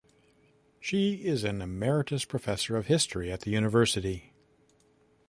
She is an emeritus professor of history at the university.